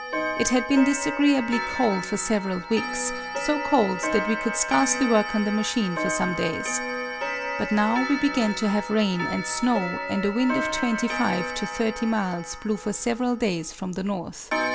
It had been disagreeably cold for several weeks, so cold that we could scarcely work on the machine for some days. But now we began to have rain and snow, and a wind of 25 to 30 miles blew for several days from the north.